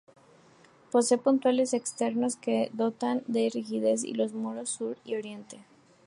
Posee puntales externos que dotan de rigidez a los muros sur y oriente.